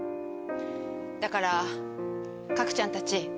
だからカクちゃんたち